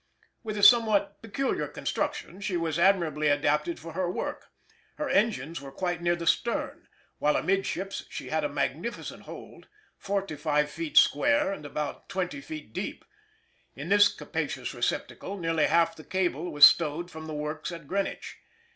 With a somewhat peculiar construction, she was admirably adapted for her work. Her engines were quite near the stern, while amidships she had a magnificent hold, forty five feet square and about twenty feet deep. In this capacious receptacle nearly half the cable was stowed from the works at Greenwich.